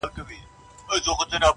دومره حيا مه كوه مړ به مي كړې,